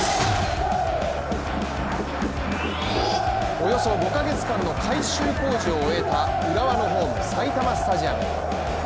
およそ５か月間の改修工事を終えた浦和のホーム埼玉スタジアム。